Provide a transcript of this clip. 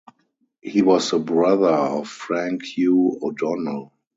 He was the brother of Frank Hugh O'Donnell.